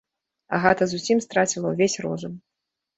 Агата зусім страціла ўвесь розум.